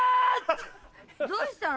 どうしたの？